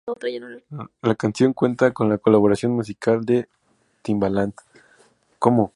La canción cuenta con la colaboración musical de Timbaland.